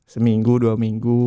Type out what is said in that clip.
seminggu dua minggu